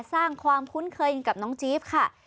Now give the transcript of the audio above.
สร้างความคุ้นเคยกับน้องจี๊บค่ะ